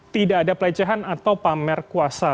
tidak ada pelecehan atau pamer kuasa